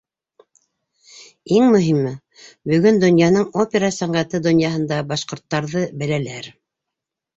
Иң мөһиме, бөгөн донъяның опера сәнғәте донъяһында башҡорттарҙы беләләр...